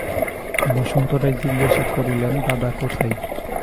বসন্ত রায় জিজ্ঞাসা কহিলেন, দাদা কোথায়?